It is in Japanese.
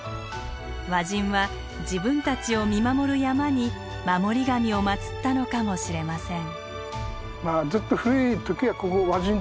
和人は自分たちを見守る山に守り神を祀ったのかもしれません。